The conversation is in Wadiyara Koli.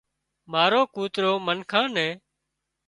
مارو ڪوترو منکان نين